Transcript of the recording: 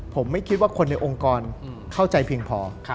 ผมไม่คิดว่าคนในองค์กรเข้าใจเพียงพอ